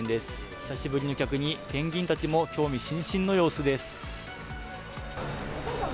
久しぶりの客に、ペンギンたちも興味津々の様子です。